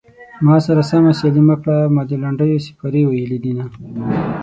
ما سره سمه سيالي مه کړه ما د لنډيو سيپارې ويلي دينه